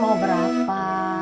ma telurnya mau berapa